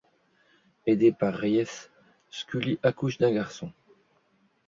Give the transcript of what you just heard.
Aidée par Reyes, Scully accouche d'un garçon.